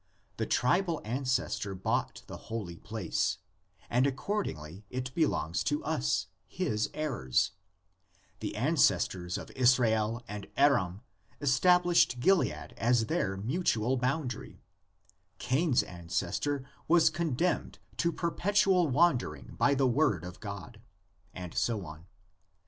27 the tribal ancestor bought the holy place, and accordingly it belongs to us, his heirs; the ancestors of Israel and Aram established Gilead as their mutual boundary; Cain's ancestor was condemned to perpetual wandering by the word of God, and so on.